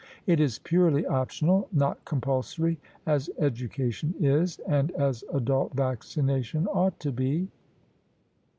It is purely optional: not compulsory, as education is and as adult vaccination ought to be."